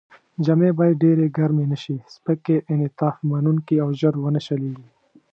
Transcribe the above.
جامې باید ډېرې ګرمې نه شي، سپکې، انعطاف منوونکې او ژر و نه شلېږي.